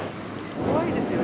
怖いですよね。